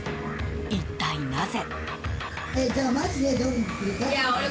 一体、なぜ？